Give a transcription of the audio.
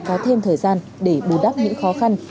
có thêm thời gian để bù đắp những khó khăn